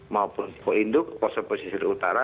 maupun poinduk poso pesisir utara